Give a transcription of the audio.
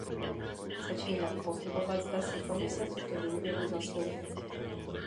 Začínám pochybovat, zda si Komise tuto důvěru zasluhuje.